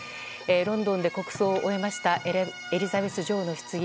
ロンドンで国葬を終えましたエリザベス女王のひつぎ